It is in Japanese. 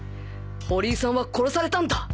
堀井さんは殺されたんだ！